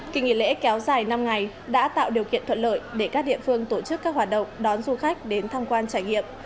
kỳ nghỉ lễ kéo dài năm ngày đã tạo điều kiện thuận lợi để các địa phương tổ chức các hoạt động đón du khách đến tham quan trải nghiệm